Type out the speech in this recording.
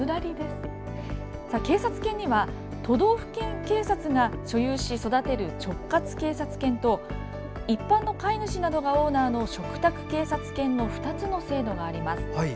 警察犬には都道府県警察が所有し、育てる直轄警察犬と一般の飼い主などがオーナーの嘱託警察犬の２つの制度があります。